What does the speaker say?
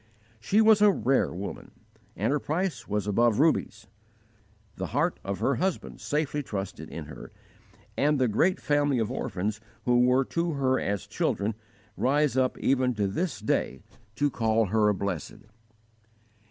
She was a rare woman and her price was above rubies. The heart of her husband safely trusted, in her, and the great family of orphans who were to her as children rise up even to this day to call her blessed.